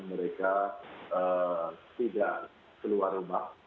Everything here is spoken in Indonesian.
mereka tidak keluar rumah